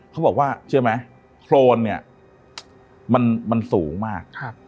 เขาบอกว่าเชื่อไหมโครนเนี่ยมันสูงมาก